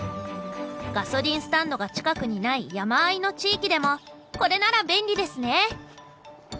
ガソリンスタンドが近くにない山あいの地域でもこれなら便利ですね。